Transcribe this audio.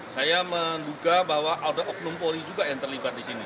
saya menduga bahwa ada oknum polri juga yang terlibat di sini